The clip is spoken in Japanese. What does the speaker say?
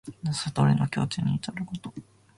悟りの境地にいたること。